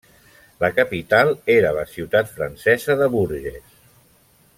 La capital era la ciutat francesa de Bourges.